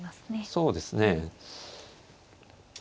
そうですね。